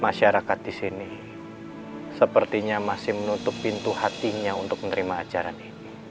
masyarakat di sini sepertinya masih menutup pintu hatinya untuk menerima ajaran ini